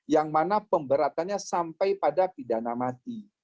yang mana pemberatannya sampai pada pidana mati